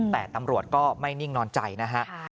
แต่ตำรวจก็ไม่นิ่งนอนใจนะฮะ